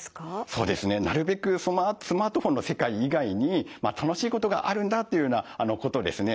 そうですねなるべくスマートフォンの世界以外に楽しいことがあるんだっていうようなことをですね